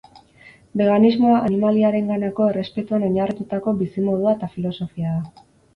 Beganismoa animaliarenganako errespetuan oinarritutako bizimodua eta filosofia da.